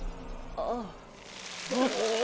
ああ！